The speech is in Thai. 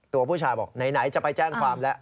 ตัวผู้ชายบอกไหนจะไปแจ้งความแล้ว